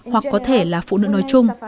hoặc có thể là phụ nữ nói chung